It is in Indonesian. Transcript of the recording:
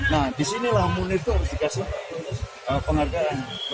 nah di sinilah munir itu harus dikasih penghargaannya